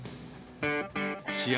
試合